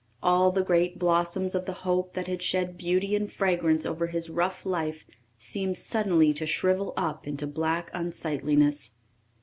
All the great blossoms of the hope that had shed beauty and fragrance over his rough life seemed suddenly to shrivel up into black unsightliness.